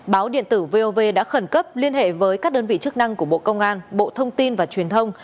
báo điện tử vov đã khẩn cấp liên hệ với các đơn vị chức năng của bộ công an bộ thông tin và truyền thông